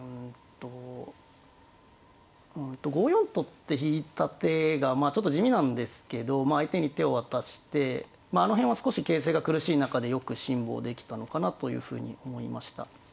５四とって引いた手がちょっと地味なんですけど相手に手を渡してあの辺は少し形勢が苦しい中でよく辛抱できたのかなというふうに思いました。